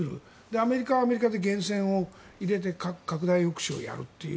アメリカはアメリカで原潜を入れて拡大抑止をやるという。